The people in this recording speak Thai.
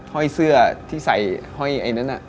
ห้อยเสื้อที่ใส่ห้อยไอ้นั้น